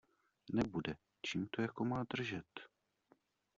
Nebude, čím to jako má držet?